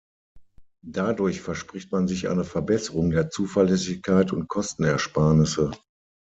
Dadurch verspricht man sich eine Verbesserung der Zuverlässigkeit und Kostenersparnisse.